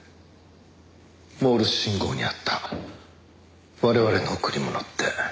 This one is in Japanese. モールス信号にあった「我々の贈り物」って。